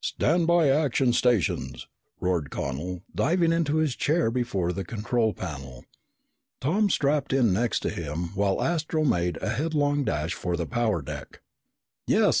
"Stand by action stations!" roared Connel, diving into his chair before the control panel. Tom strapped in next to him, while Astro made a headlong dash for the power deck. "Yes!"